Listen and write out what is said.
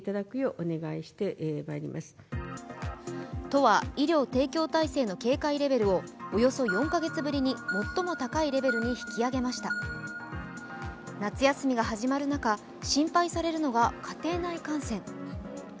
都は、医療提供体制の警戒レベルをおよそ４カ月ぶりに最も高いレベルに引き上げました夏休みが始まる中、心配されるのは家庭内感染。